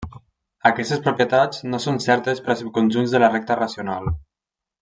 Aquestes propietats no són certes per a subconjunts de la recta racional.